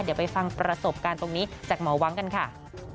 เดี๋ยวไปฟังประสบการณ์ตรงนี้จากหมอว้างกันค่ะ